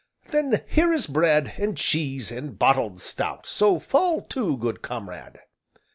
"Then here is bread, and cheese, and bottled stout, so fall to, good comrade."